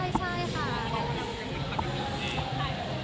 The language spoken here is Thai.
มันเป็นความปลอดภัยที่มินชอบมาก